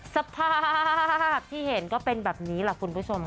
สภาพที่เห็นก็เป็นแบบนี้แหละคุณผู้ชม